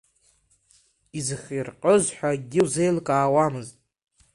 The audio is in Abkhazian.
Изыхирҟьоз ҳәа акгьы узеилкаауамызт.